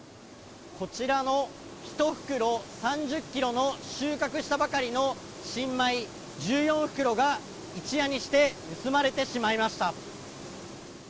こちらの１袋３０ｋｇの収穫したばかりの新米１４袋が、一夜にして盗まれてしまいました。